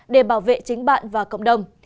để bảo vệ chính bạn và cộng đồng